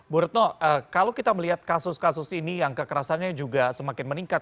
bu retno kalau kita melihat kasus kasus ini yang kekerasannya juga semakin meningkat